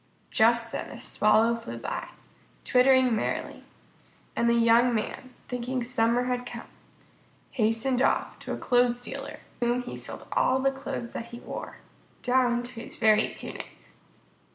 Just then a Swallow flew by, twittering merrily, and the young man, thinking summer had come, hastened off to a clothes dealer, to whom he sold all the clothes he wore down to his very tunic.